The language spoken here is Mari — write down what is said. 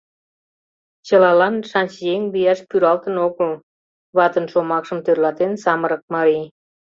— Чылалан шанчыеҥ лияш пӱралтын огыл... — ватын шомакшым тӧрлатен самырык марий.